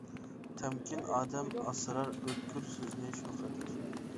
تەمكىن ئادەم ئاسرار ئۆتكۈر سۆزنى شۇ قەدەر.